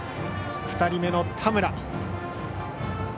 ２人目の田村。